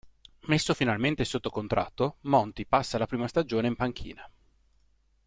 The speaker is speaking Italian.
Messo finalmente sotto contratto, Monty passa la prima stagione in panchina.